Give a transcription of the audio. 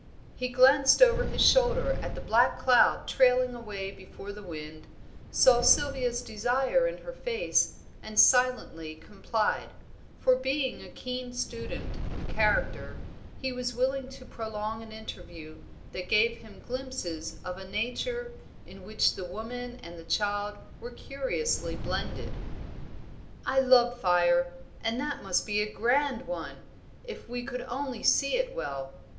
He glanced over his shoulder at the black cloud trailing away before the wind, saw Sylvia's desire in her face, and silently complied; for being a keen student of character, he was willing to prolong an interview that gave him glimpses of a nature in which the woman and the child were curiously blended. "I love fire, and that must be a grand one, if we could only see it well.